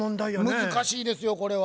難しいですよこれは。